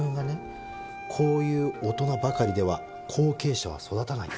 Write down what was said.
「こういう大人ばかりでは後継者は育たない」。